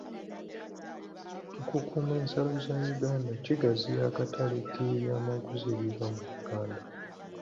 Okukuuma ensalo za Uganda kigaziya akatale k'ebyamaguzi ebiva mu Uganda.